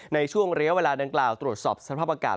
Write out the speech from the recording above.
ในช่วงระยะเวลาดังกล่าวตรวจสอบสภาพอากาศ